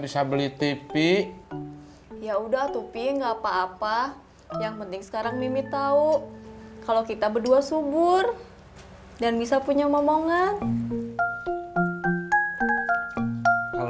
sampai jumpa di video selanjutnya